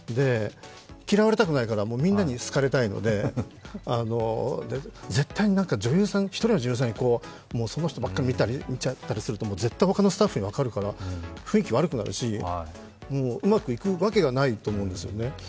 嫌われたくないから、みんなに好かれたいので絶対に１人の女優さんに、その人ばっかり見たりすると絶対に他のスタッフに分かるから雰囲気が悪くなるしうまくいくわけがないと思うんですよね。